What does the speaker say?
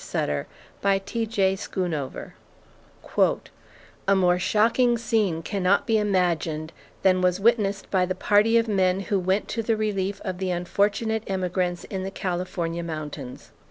Sutter," by T.J. Schoonover: A more shocking scene cannot be imagined than was witnessed by the party of men who went to the relief of the unfortunate emigrants in the California Mountains.